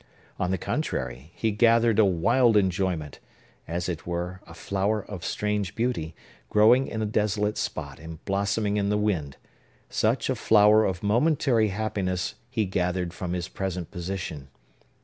On the contrary, he gathered a wild enjoyment,—as it were, a flower of strange beauty, growing in a desolate spot, and blossoming in the wind,—such a flower of momentary happiness he gathered from his present position.